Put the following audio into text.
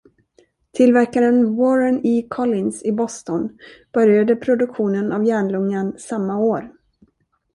Tillverkaren Warren E. Collins i Boston började produktionen av järnlungan samma år.